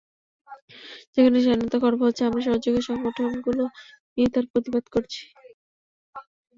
যেখানেই স্বাধীনতা খর্ব হচ্ছে, আমরা সহযোগী সংগঠনগুলোকে নিয়ে তার প্রতিবাদ করছি।